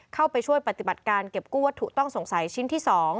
เข้าไปช่วยปฏิบัติการเก็บกู้วัตถุต้องสงสัยชิ้นที่๒